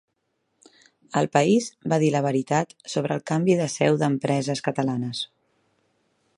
El País va dir la veritat sobre el canvi de seu d'empreses catalanes